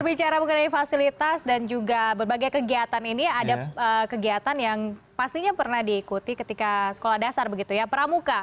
bicara mengenai fasilitas dan juga berbagai kegiatan ini ada kegiatan yang pastinya pernah diikuti ketika sekolah dasar begitu ya pramuka